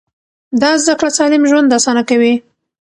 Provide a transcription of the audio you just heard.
دا زده کړه سالم ژوند اسانه کوي.